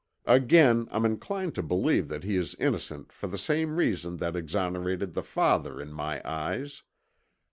Again I'm inclined to believe that he is innocent for the same reason that exonerated the father in my eyes.